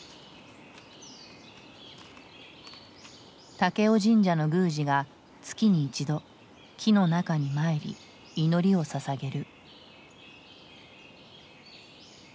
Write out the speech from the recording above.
武雄神社の宮司が月に一度木の中に参り祈りをささげる。